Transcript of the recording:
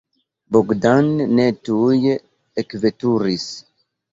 Bogdan ne tuj ekveturis.